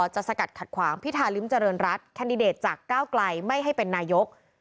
สกัดขัดขวางพิธาริมเจริญรัฐแคนดิเดตจากก้าวไกลไม่ให้เป็นนายก